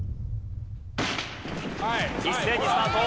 一斉にスタート。